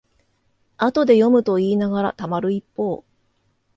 後で読むといいながらたまる一方